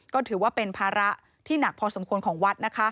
ก็ถือว่าเป็นภาระที่หนักพอสมควรของวัดนะคะ